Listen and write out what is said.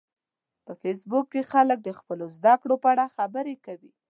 په فېسبوک کې خلک د خپلو زده کړو په اړه خبرې کوي